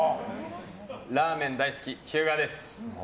ラーメン大好き、ひゅうがです。